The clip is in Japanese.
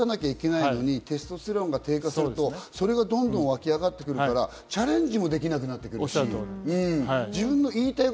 テストステロンが低下すると、それがどんどん湧き上がってくるから、チャレンジもできなくなると。